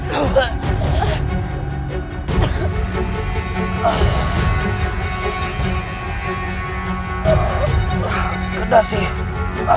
tidak bisa ditakwa